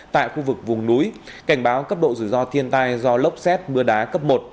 tại khu vực vùng núi cảnh báo cấp độ rủi ro thiên tai do lốc xét mưa đá cấp một